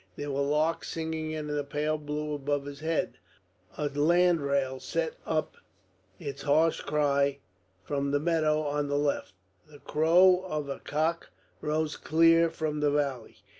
There were larks singing in the pale blue above his head; a landrail sent up its harsh cry from the meadow on the left; the crow of a cock rose clear from the valley.